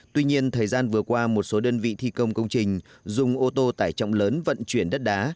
tuy nhiên thời gian vừa qua một số đơn vị thi công công trình dùng ô tô tải trọng lớn vận chuyển đất đá